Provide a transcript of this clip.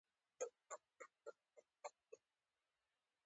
ډېر ژر په غوسه کېدی.